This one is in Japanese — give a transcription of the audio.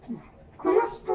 この人。